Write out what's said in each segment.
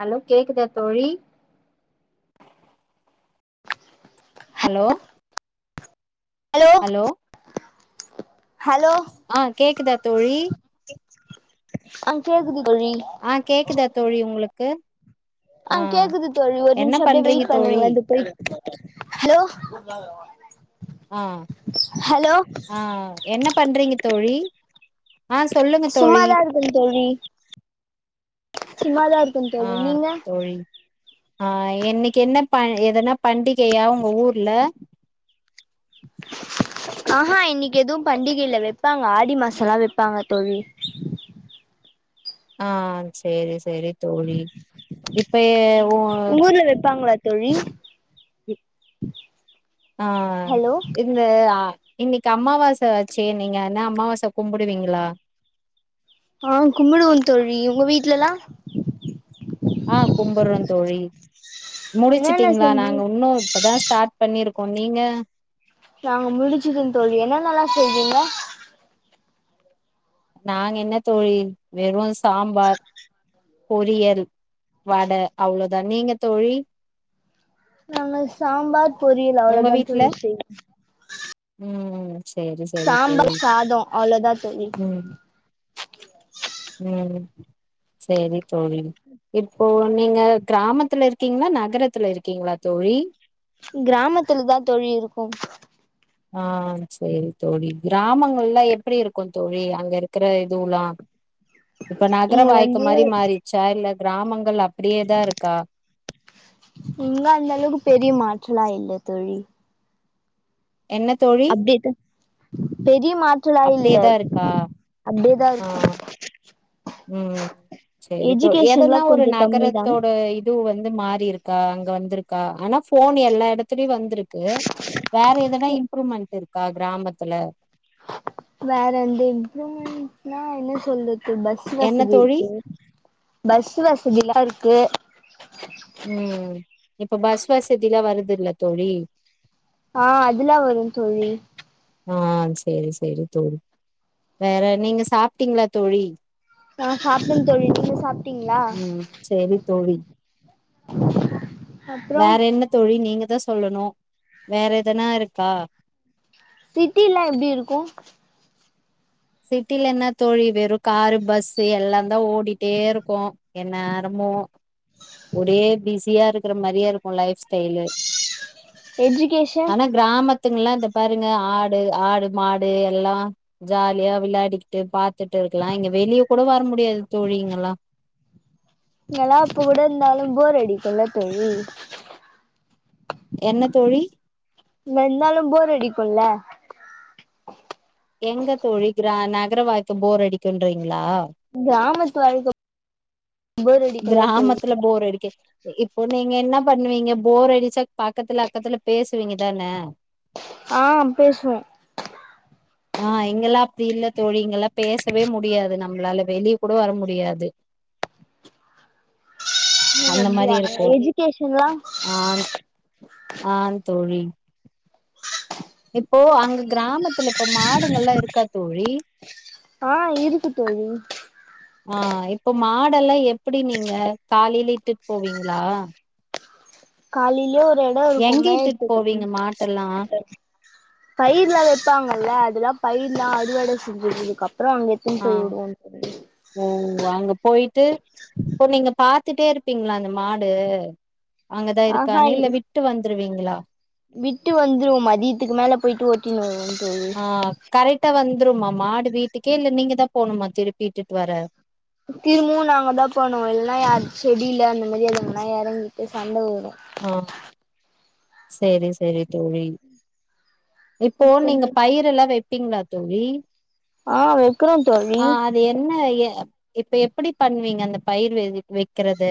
hello கேக்குதா தோழி hello hello hello ஆ கேக்குதா தோழி அங் கேக்குது தோழி அ கேக்குதா தோழி உங்ளுக்கு ஆ கேக்குது தோழ்வி ஒர் நிம்ஷ அப்டே பண்றீங்க வெயிட் தோழி பண்ணுங்ள து பொய் ஹெலோ அ ஆ ஆ என்ன பண்றீங்க தோழி ஆ சொல்லுங்க தோழி சும்மாதா இருக்க தோழி சும்மா தா இருக்க தோழி நீங்க அ என்னைக் என்ன ப எதனா பண்டிக் கேயா ஒங்க ஊர்ல ஆஹா இன்னக்கி எதுவு பண்டிகைல வெப்பாங்க ஆடி மாசலா வெப்பாங்க தோழி ஆ ஆ சேரி சேரி தோழி இப்ப ஏ உங்ஊர்ல வெப்பாங்ளாத் தொழி ஆ ஹலோ இந்த ஆ இன்னிக்கு அம்மாவாச வச்சே நீங்க அன்ன அம்மாவாச கும்புடுவீங்ளா ஆ கும்புடுவோ தோழி உங்க வீட்லலா ஆ கும்புற்ற தோழி என்னென்ன முடிச்சிட்டீங்ளா செஞ்சு நாங்க உன்னு இப்பதா ஸ்டாட் பண்ணிருக் ஒ நீங்க நாங்க முடிச்சுட்டந் தோழி என்னானலலா செய்வீங்க நாங் என்ன தோழி வெறு சாம்பார் பொரியல் வட அவ்ளோதா நீங்க தோழி நங்க சாம்பார் பொரியல் அவளோதா தோழி செய்வ ம் ம் சேரி சேரி சாம்ப தோழி சாதொ அவ்ளோதா தோழி ம் ம் சேரி தோழி இப்போ நீங்க க்ராமத்துல இருக்கீங்ளா நகரத்துல இருக்கீங்ளா தோழி க்ராமத்துல தா தோழி இருக்கு ஆ சேரி தோழி கிராமங்கள்ல எப்புடி இருக்கு தோழி அங்க இருக்குற இதுவுலா இப்ப நக்ர இங்க வாய்க்க வந்து மாரி மாறிச்சா இல்ல ராமங்கள் அப்புடியேதா இருக்கா இங்க அந்த அளவுக்கு பெரிய மாற்றலா இல்ல தோழி என்ன தோழி பெ ய மாற்றலா இல்ல அப்டியேதா இருக்கா அப்டியேதா ஆ இருக்கு ம் சரி தோழி எஜுகேஷன்லா எதன்னா ஒரு கொஞ்சோ கம்மி தா நகரத்தோட இது வந்து மாறி இருக் கா அங்க வந்திருக்கா ஆனா ஃபோன் எல்லா இடத்துலயு வந்திருக்கு வேற எதனா இம்ப்ரூவ்மெண்ட் இருக்கா கிராமத்துல வேற வந்து இம்ப்ரூவ்மெண்ட்னா என்ன சொல்றது பஸ் என்ன வசதி தோழி இருக்கு பஸ் வசதில்லா இருக்கு ம் இப்ப பஸ் வசதிலா வருது இல்ல தோழி ஆ அதுல்லா வரும் தோழி ஆ சரி சரி தோழி வேற நீங்க சாப்டீங்ளா தோழி நா சாப்டேன் தோழி நீங்க சாப்டீங்ளா ம் சேரி தோழி வேற என்ன தோழி நீங்கதா சொல்லணு வேற எதனா இருக்கா சிட்டிலா எப்டி இருக்கு சிட்டில என்ன தோழி வெறு காரு பஸ்ஸு எல்லா தா ஓடிட்டே இருக்கு என்னேரமு ஒரே பிஸியா இருக்கிற மாரியே இருக்கு லைஃப் ஸ்டைலு எஜிகேஷன் இதுங்களா இந்த பாருங்க ஆடு ஆடு மாடு எல்லா ஜாலியா விளையாடிக்கிட்டு பாத் துட்டு இருக்கலா இங்க வெளியே கூட வர முடியாது தோழி இங்களா எல்லாத் கூட இருந்தாலு போர் அடிக்கும்ல தோழி என்ன தோழி இங்க இருந்தாலு போர் அடிக்கும்ல எங்க தோழி கிரா நகர வாழ்க்க போர் அடிக்குன்றீங்களா கிராமத்து வாழ்க்க கிராமத்துல போரடிக்கே இப்ப நீங்க என்ன பண்ணுவீங்க போர் அடிச்சா பக்கத்துல அக்கத்துல பேசுவீங்க தானே ஆ பேசுவோ ஆ இங்கல்லா அப்படி இல்ல தோழி இங்கல்லா பேசவே முடியாது நம்மளால வெளியே கூட வர முடியாது அந்த மாரி அப்படியா இருக்கு எஜுகேஷன்லா ஆ ஆ தோழி இப்போ அங் கிராமத்துல இப்ப மாடுங்கல்லா இருக்கா தோழி ஆ இருக்கு தோழி ஆ இப்போ மாடெல்லா எப் டி நீங்க கலேலேட்டு போவீங்களா கலேலே ஒரு இடம் இருக்கும் எங்க இட்டுட்டு மேயத்துக்குனு போவீங்க மாட்டெல்லா பயிரர்லா வைப்பாங்கல்ல அதெல்லா பயிரலா அறுவட செஞ்சுதுக்க அப்றோ அங்கேத்னு ஆ போய் விடுவோ ஓ அங்க போயிட்டு இப்ப நீங்க பாத்துட்டே இருப்பீங்களா அந்த ம மாடு அங்கதா ஆஹா இருக்கானு இல்ல விட்டு வந்துருவீங் இலா விட்டு வந்துருவோ மதியத்துக்கு மேல போயிட்டு ஓட்டினு வருவோ தோழி ஆ கரட்ட வந் வந்துருமா மாடு வீட்டுக்கே இல்ல நீங்க தா போணுமா திருப்பிட்டுட்டு வர திரும்பும் நாங்க தா போனோ இல்லனா யார் செடியில அந்த மாரி அங்கலா இறங்கிட்டு சண்ட வரு ம் செரி செரி தோழி இப்போ நீங்க வரு பயிர எல்லா வைப் இருப்பீங்களா தோழி ஆ வைக்கணோ தோழி ஆ அது என்ன எ இப்ப எப்படி பண்ணுவீங்க அந்த பயிர் வை வைக்கிறது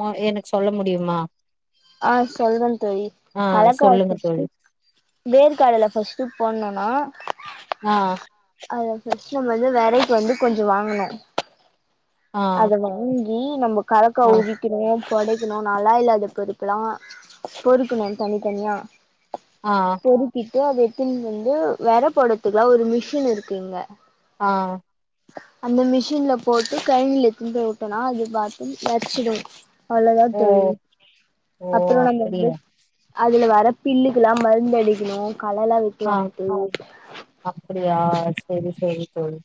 மொ எனக்கு சொல்ல முடியுமா ஆ சொல்றன் தோழி ஆ கலக்கவா சொல்லுங்க தோழி ஃபஸ்ட்டு வேர்க்காடல ஃபர்ஸ்ட்டு போனும்னா ஆ அத ஃபர்ஸ்ட் வந்து வலைக்கு வந்து கொஞ்சம் வாங்கனோ ஆ அது வந்த நீ நம்ம கலக்க ஆ உரிக்கணுமே பொடைக்கணு நல்லா இல்லாத பறுப்பு எல்லா பொறுக்கணும் தனித்தனியா ஆ டு அத எப்பையு வந்து வெத போடத்துக்குலா ஒரு மிஷின் இருக்குங்க ஆ அந்த மிஷின்ல போட்டு கர்ணி எதுனு போய் ஊட்னா அது பாத்து வச்சிடோ அவ்ளோதா ஓ தோழி ஓ அப்புற நம்ம வந்து அப்படியா அதுல வர பில்லுக்கலா மருந்து அடிக்கணு களலா ஆ வெட்டுவாங்க தோழி அப்டியா செரி செரி தோழி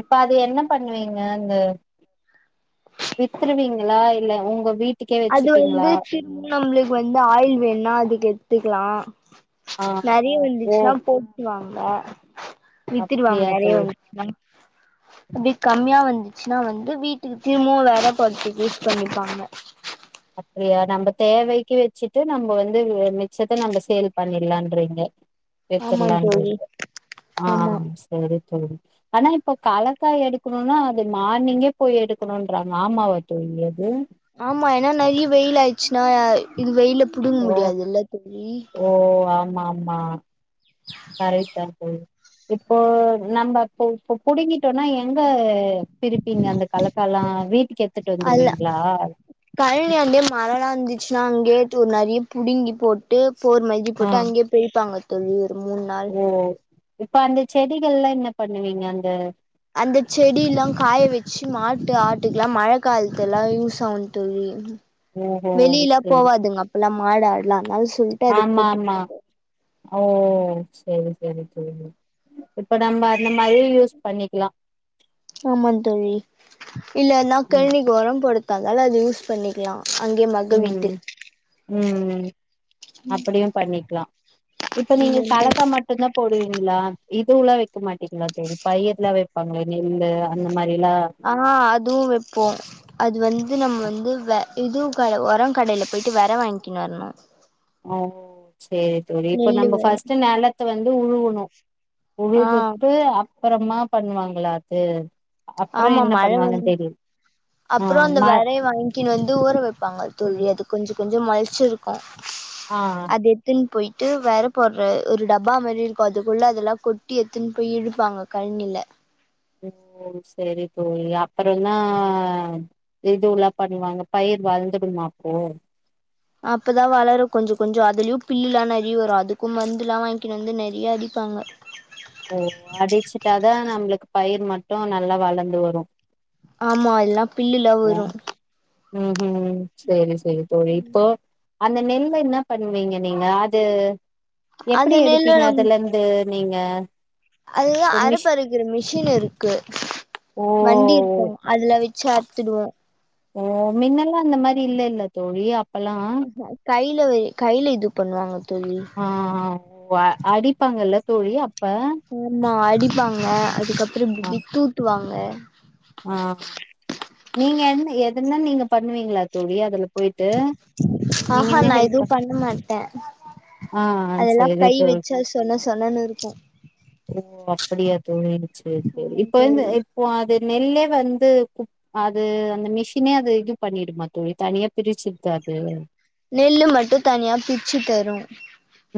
இப்ப அது என்ன பண்ணுவீங்க அந்த வித்துருவீங்களா இல்ல உங்க வீட் அது வந்து திரும்ப நம்மளுக்கு வந்து ஆயில் வேணா அதுக் எடு த்துக்கலா ஆ நெறிய ஓ வந்துச்சுன்னா போட்டுவாங் ஆ வித்துருவாங்க அப்படியா நெரிய தோழி வந்துச்சுனா அப்டி கம்மியா வந் வென வந்து வீட்டுக்கு திரும்பவு வேற பாத்து யூஸ் பண்ணிப்பாங்க அப்டியா நம்ம தேவைக்கு வெச்சிட்டு நம்மோ வந்து மிச்சத்த நம்ம சேல் பண்ணிடலான்றீங்க ஆமா தோழி வித்துக்களன்றீங்க ஆ ஆமா சரி தோழி ஆனா இப்ப கலக்காய் எடுக்கனோனா அது மார்னிங்கே போய் எடுக்கனோறாங்க ஆமா வா தோழி அது ஆமா ஏன்னா நறிய வெயில் ஆய்சுன்னா இது வெயில புடுங்க முடியாது இல்ல தோழி மாமா கரெக்ட் தா தோழி இப்போ நம்ம இப்ப புடிங்கிட்டோனா எங்க பிரிப்பீங்க அந்த கலக்கால வீட்டுக்கு எடுத்துட்டு அல்ல வந்துருவீங்களா நா அங்கேயே டு நறிய புடுங்கி போட்டு போர்மை ஆ போட்டு அங்கே பிரிபாங்க [unintelligible] மூண் நாள் ஓ இப்ப அந்த செடிகள்லா என்ன பண்ணுவீங்க அந்த மாட் ஆட்டுக்லா மழ காலத்துல யூஸ் ஆகு தோழி ஓஹோ வெளிலா சரி போவாதுங்க அப்பல்லா மாடு ஆடுல்லா ஆமா ஆமா ஓ செரி செரி தோழி இப்ப நம்ம அந்த மாரி யூஸ் பண்ணிக்கலா ஆமா தோழி இல்ல நா ம் கழ்ணிக்கு உரம் போட கா அத யூஸ் பண்ணிக்கலா அங்கயே மக உம் வீட்டு உம் அப்படியு பண்ணிக்கலா இப்ப நீங்க கலக்கா மட்டுதா போடுவீங்களா இதுல்லா வைக்க மாட்டீங்களா தோழி பயிர்லா வைப்பாங்களே நெல்லு அந்த மாரிலா ஆ அதுவு வைப்போ அது வந்து நம்ம வந்து இது க உரம் கடைல போயிட்டு வர வாங்கினுு வரணு ஓ சரி தோழி இப்ப நெல்லு நம்ம வெர ஃபர்ஸ்ட் நிலத்த வந்து உழுவணு ஆ உழுதுட்டு அப் அப்பறமா பண்ணுவாங்களா அது அப்பறோ ஆமா என்ன மழ வந்து பண்ணுவாங்கன்னு தெரியல ஆ அப்பறம் அந்த ம வறயை வாங்கின்னு வந்து ஊற வைப்பாங்க ம் தோழி அது கொஞ்ச கொஞ்ச மொளச்சிருக்கு ஆ அது எத்துன்னு போயி ட்டு வேற போடுற ஒரு டப்பா மாரி இருக்கு அதுக்குள்ள அதெல்லா கொட்டி எத்துன்னு போய் இழுப்பாங்க கழனில ஓ சரி தோழி அப்புறதா இதுலா பண்ணுவாங்க பயிர் வாழந்துடுமா அப்போ அப்பதா வளரும் கொஞ்சம் கொஞ்சம் அதுலயு பில்லு எல்லா நிறைய வரும் அதுக்கும் மருந்து எல்லா வாங்கினுு வந்து நிறைய அடிப்பாங்க ஓ அப்பறம் நல்லா வளர்ந்து வரும் ஆமா எல்லா பில்லுலா வரும் உம் உம் சரி சரி தோழி இப்போ அந்த நெல்ல என்ன பண்ணுவீங்க நீங்க அது அந்த எப்படி நெல்லு எடுப்பீங்க நம் அதுல இருந்து நீங்க அதுதா இப்போ மிஷ் அறுப்பறுக்கிற மிஷின் இருக்கு ஓ வண்டி இருக்கு அதுல வச்சு அறுத்துடுவோ ஓ மின்னெல்லா அந்த மாதிரி இல்ல ல தோழி அப்பல்லா ஆ அ கைல வே கையில இது பண்ணுவாங்க தோழி ஆ ஓ அடிப்பாங்கள தோழி அப்ப ஆமா அடி ப்பாங்க அதுக்கப்பறம் ஆ இப்டிஇப்டி தூத்து வாங்க ஆ நீங்க என்ன எதன நீங்க பண்ணுவீங்களா தோழி அதுல போயிட்டு ஆ நீங்க அ என்ன நா ஹெல்ப் எதுவு பண் பண்ண மாட்டே ஆ அதெல்லா சேரி கை தோழி வச்சா சொன்ன சொன்னு இருக்கு ஓ அப்படியா தோழி சரி சரி ஆமாங் இப்ப தோழி இந்த இப்போ அது வந்து அது அந்த மிஷினே அது இது பண்ணிடுமா தோழி தனியா பிரிச்சிருதா அது நெல்லு மட்டு தனியா பிச்சு தரு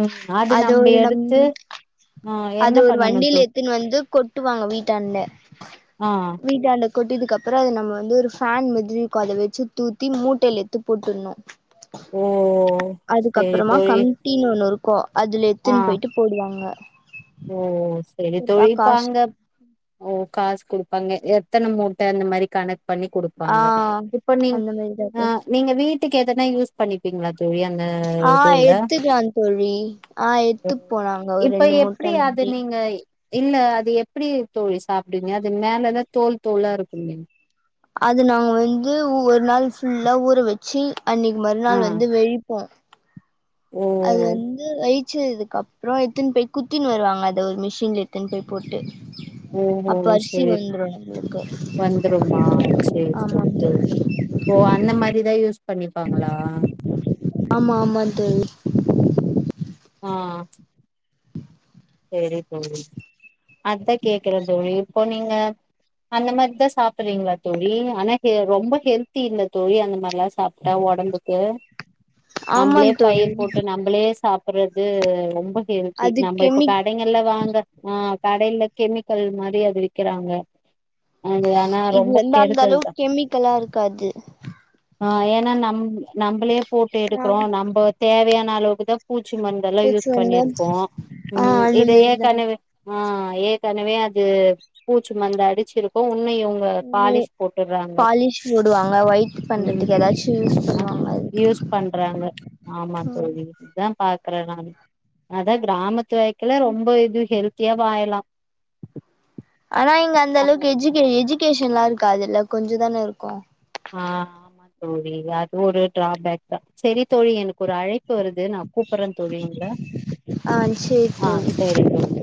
உம் அது நம்ப ஒரு நம் எடுத்து ஆ அது என்ன ஒரு பண்ணணு வண்டில தோ எடுத்துனு வந்து கொட்டுவாங்க வீட்டாண்ல ஆ வீட்டாண்ட கொட்டிதிக்தகா அப்றம் அத நம்ம வந்து ஒரு ஃபேன் மாதிரி இருக்கு அத வெச்சு தூத்தி மூட்டேல எடுத்து போட்டுர்ணு ஓ சேரி அதுக்கப்புறமா தோழி கம்ட்டின்னு ஒண்ணு இரு கோ அதுல ஆ எடுத்துனு போயிட்டு போடுவாங்க ஓ சேரி போட்டா தோழி இப்ப காசு அங்க ஓ காசு குடுப்பாங்க எத்தன மூட்ட அந்த மாரி கணக்கு பண்ணி ஆ குடுப்பாங்க இப்ப நீ அந்த மாரிதா தோழி நீங்க வீட் ட்டுக்கு எதனா யூஸ் பண்ணிப்பிங்களா ஆஹ் எத்துக்கலா தோழி ஆஹ் எடுத்து போலா அங்க ஒரு ரெண்டு மூணு முடியாது நீங்க இல்ல அது எப்டி தோழி சாப்டுவீங்க அது மேலதா தோல் தோலா இருக்குமே அது நாங்க வந்து ஒரு நாள் ஃபுல்லா ஊற வெச்சு அன்னிக்கு ஆ மறுநாள் வந்து வெழிப்போ ஓ அது வந்து வெயி வடிச்சதுக்கு அப்றம் எடுத்துனு போய் குத்தினு வருவாங்க அத ஒரு மிஷின்ல எடுத்துனு போய் போட்டு ஓஹோ அப்ப அரிசி செரி வந்துரு நம்மளுக்கு வந்துருமா செரி ஆமா செரி செரி தோழி ஓ அந்த மாரி இத யூஸ் பண்ணிப்பாங்களா ஆமா ஆமா தோழி ஆஹ் சேரி தோழி அத்தா கேக்குற தோழி இப்ப நீங்க அந்த மாரிதா சாப்ட்றீங்களா தோழி ஆனா ரொம்ப ஹெல்தி இல்ல தோழி அந்த மாரி எல்லா சாப்ட்டா ஒடம்புக்கு ஆமா நம்பளே தோழி பயிர் போட்டு நம்பளே சாப்ப பட்றது ரொம்ப ஹெல்தி அது நம்ம இப்ப கெமிக் கடிங்கல்ல வாங்க ஆஹ் கடையில கெமிக்கல் மாரி அது விக்கிறாங்க அது ஆனா இது ரொம்ப வந்து அந்த கெடுதல் தா அளவுக்கு கெமிக்கலா இருக்காது ஆஹ் ஏன்னா நம் நம்பளே போட்டு ஆ எடுக்குறோ நம்ப தேவயான நான அளவுக்கு தா பூச்சி மருந்தெல்லா பூச்சி யூஸ் வந்து பண்ணிருப்போ ஆ உம் அந்த இது ஏ மாரிதா கனவு ஆஹ ஏற்கனவே அது பூச்சி மந்து அடிச்சிருக்கு இன்னு இவ்ங்க ம் பாலிஷ் போட்டுறாங்க பாலிஷ் போடுவாங்க ஒயிட் பண்றதுக்கு ஏதாச்சு யூஸ் ஆஹ் பண்ணுவாங்க அது யூஸ் பண்றாங்க ஆமா ம் தோழி இதா பாக் [unintelligible] தா அதா க்ராமத் துல வைக்கில ரொம்ப இது ஹெல் த்தியா வாயலா ஆனா இங்க அந்த அளவுக்கு எஜுகே எஜுகேஷ் ன்லா இருக்காதுல்ல கொஞ்சே தானே இருக்கு ஆஹ் ஆமா தோழி அது ஒரு டிராபேக் தா செரி தோழி எனக் ஒரு அழைப் பு வருது நா கூப்பறே தோழி உங்கள ஆ சேரி ஆஹ் தோழி செரி தோழி